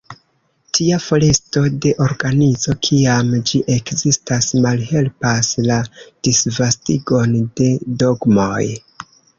Tia foresto de organizo, kiam ĝi ekzistas, malhelpas la disvastigon de dogmoj.